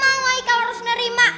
mau gak mau haikal harus nerima